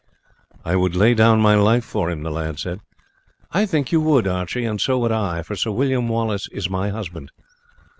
"I would lay down my life for him," the lad said. "I think you would, Archie; and so would I, for Sir William Wallace is my husband!"